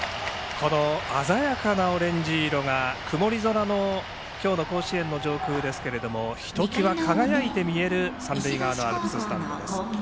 この鮮やかなオレンジ色が曇り空の今日の甲子園の上空ですがひときわ輝いて見える三塁側のアルプススタンドです。